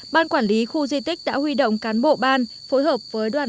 ban quản lý khu di tích đã huy động cán bộ ban phối hợp với đoàn viên tri nhánh